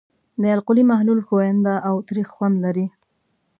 د القلي محلول ښوینده او تریخ خوند لري.